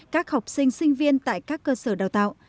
các học sinh sinh viên tại các cơ sở đào tạo